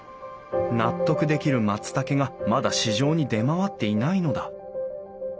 納得できる松たけがまだ市場に出回っていないのだ。